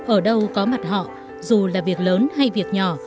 ở đâu có mặt họ dù là việc lớn hay việc nhỏ